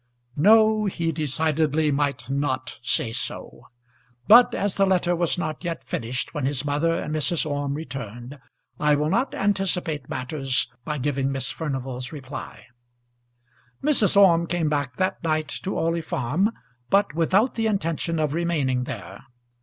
No; he decidedly might not say so. But as the letter was not yet finished when his mother and Mrs. Orme returned, I will not anticipate matters by giving Miss Furnival's reply. Mrs. Orme came back that night to Orley Farm, but without the intention of remaining there.